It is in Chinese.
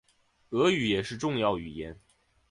俄语也是重要语言。